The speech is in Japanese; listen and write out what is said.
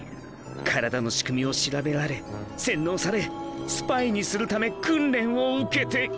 体の仕組みを調べられ洗脳されスパイにするため訓練を受けて。